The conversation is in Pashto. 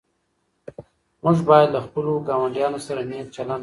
موږ باید له خپلو ګاونډیانو سره نېک چلند وکړو.